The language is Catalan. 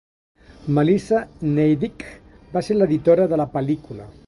Melissa Neidich va ser l'editora de la pel·lícula.